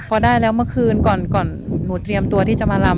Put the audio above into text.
พอได้แล้วเมื่อคืนก่อนหนูเตรียมตัวที่จะมาลำ